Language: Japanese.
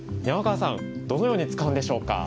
どのように使うんでしょうか？